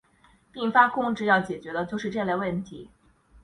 并发控制要解决的就是这类问题。